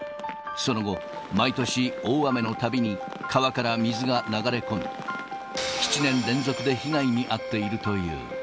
その後、毎年大雨のたびに川から水が流れ込み、７年連続で被害に遭っているという。